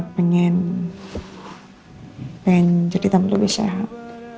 pengen jadi tambah lebih sehat